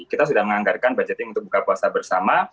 kita sudah menganggarkan budgeting untuk buka puasa bersama